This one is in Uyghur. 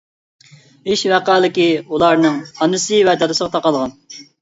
ئىش ۋەقەلىكى ئۇلارنىڭ ئانىسى ۋە دادىسىغا تاقالغان.